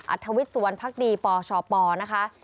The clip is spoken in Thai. อัฐวิตสุวรรณภักดีปชปนะคะ